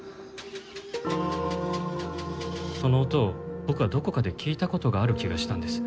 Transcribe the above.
その音を僕はどこかで聞いた事がある気がしたんです。